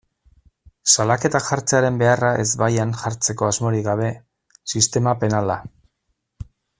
Salaketak jartzearen beharra ezbaian jartzeko asmorik gabe, sistema penala.